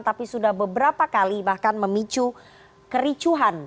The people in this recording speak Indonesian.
tapi sudah beberapa kali bahkan memicu kericuhan